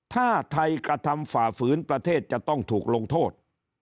ถ้าไทยกระทำฝ่าฝืนประเทศจะต้องถูกลงโทษ